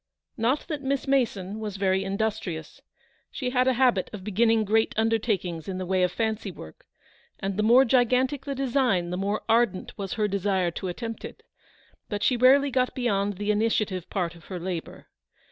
Not that Miss Mason was very industrious. She had a habit of beginning great undertakings in the way of fancy work, and the more gigantic the design the more ardent was her desire to attempt it — but she rarely got beyond the initia tive part of her labour.